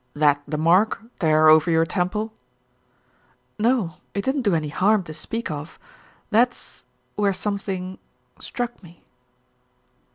"That the mark, there over your temple?" "No, it didn't do any harm to speak of. That's where something struck me."